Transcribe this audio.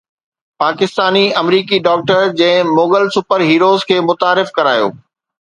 پاڪستاني آمريڪي ڊاڪٽر جنهن Mughal superheroes کي متعارف ڪرايو